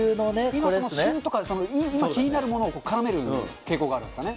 今の旬とか、今気になるものを絡める傾向があるんですかね。